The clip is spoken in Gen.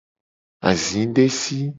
Azidesi.